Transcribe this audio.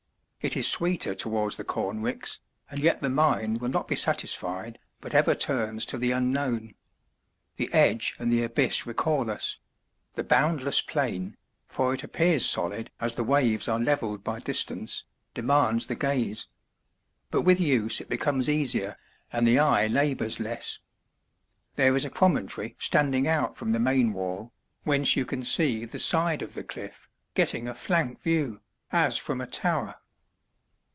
It is sweeter towards the corn ricks, and yet the mind will not be satisfied, but ever turns to the unknown. The edge and the abyss recall us; the boundless plain, for it appears solid as the waves are levelled by distance, demands the gaze. But with use it becomes easier, and the eye labours less. There is a promontory standing out from the main wall, whence you can see the side of the cliff, getting a flank view, as from a tower.